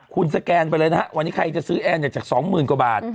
คุณสแกนไปเลยนะฮะวันนี้ใครจะซื้อแอร์จาก๒๐๐๐กว่าบาท